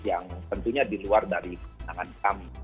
yang tentunya diluar dari tangan kami